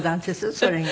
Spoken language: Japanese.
それが。